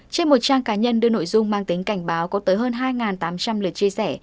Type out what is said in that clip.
trên một trang cá nhân đưa nội dung mang tính cảnh báo có tới hơn hai tám trăm linh lượt chia sẻ